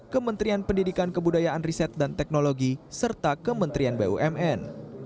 kementerian pendidikan kebudayaan riset dan teknologi serta kementerian bumn